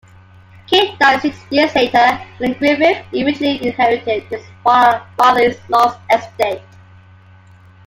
Kate died six years later and Griffith eventually inherited his father-in-law's estate.